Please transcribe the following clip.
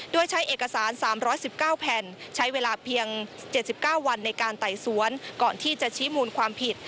โดยใช้เอกสาร๓๑๙แผ่นใช้เวลาเพียง๗๙วันในการไต่สวนก่อนที่จะชี้มูลความผิด